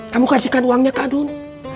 kamu kasihkan uangnya ke adun